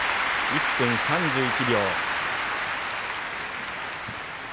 １分３１秒。